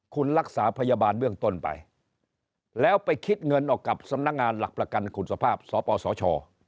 คุณรักษาพยาบาลเบื้องต้นไปแล้วไปคิดเงินออกกับสำนักงานหลักประกันคุณสภาพสปสช